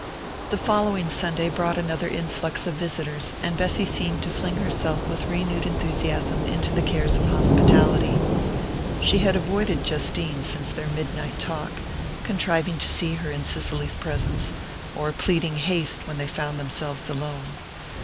The following Sunday brought another influx of visitors, and Bessy seemed to fling herself with renewed enthusiasm into the cares of hospitality. She had avoided Justine since their midnight talk, contriving to see her in Cicely's presence, or pleading haste when they found themselves alone.